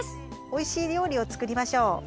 おいしい料理をつくりましょう。